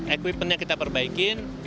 equipment nya kita perbaikin